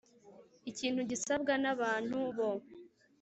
Ikintu gisabwa n abantu bo